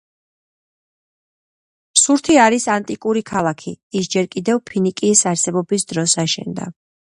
სურთი არის ანტიკური ქალაქი, ის ჯერ კიდევ ფინიკიის არსებობის დროს აშენდა.